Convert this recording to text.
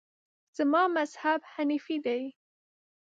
زما مذهب حنیفي دی.